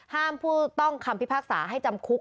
ผู้ต้องคำพิพากษาให้จำคุก